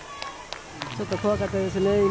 ちょっと今怖かったですね。